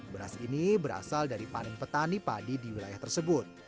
beras ini berasal dari panen petani padi di wilayah tersebut